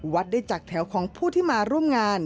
วัดได้จากแถวของผู้ที่มาร่วมงาน